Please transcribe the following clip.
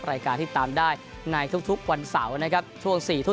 รายการที่ตามได้ในทุกวันเสาร์นะครับช่วง๔ทุ่ม